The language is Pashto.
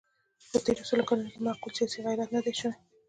په تېرو سلو کلونو کې معقول سیاسي غیرت نه دی شوی.